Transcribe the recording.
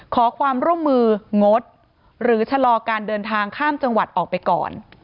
ขอความร่วมมืองดหรือชะลอการเดินทางข้ามจังหวัดออกไปก่อน